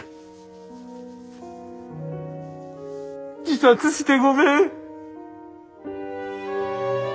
自殺してごめん。